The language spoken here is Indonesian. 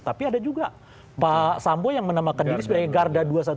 tapi ada juga pak sambo yang menamakan diri sebagai garda dua ratus dua belas